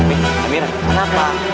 eh amira kenapa